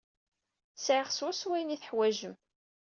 Sɛiɣ swaswa ayen ay teḥwajem.